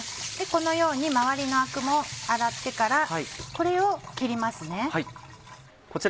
このように周りのアクも洗ってからこれを切りますね。